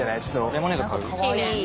レモネード買う？